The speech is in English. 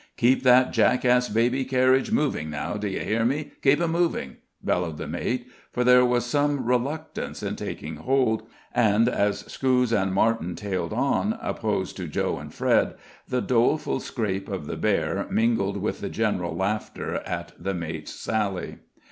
"Keep that jackass baby carriage moving now. D'ye hear me? Keep it moving!" bellowed the mate, for there was some reluctance in taking hold, and as Scouse and Martin tailed on, opposed to Joe and Fred, the doleful scrape of the bear mingled with the general laughter at the mate's sally.